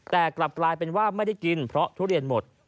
แต่กลับกลายเป็นว่าไม่ได้กินเพราะทุเรียนหมด